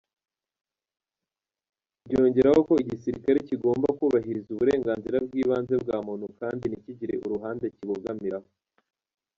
Ryongeraho ko igisirikare kigomba "kubahiriza uburenganzira bw'ibanze bwa muntu kandi ntikigire uruhande kibogamiraho.